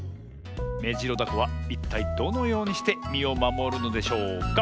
メジロダコはいったいどのようにしてみをまもるのでしょうか？